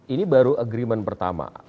ini baru agreement pertama